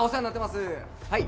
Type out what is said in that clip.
はい。